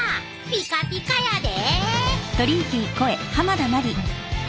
ピカピカやで！